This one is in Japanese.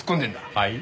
はい？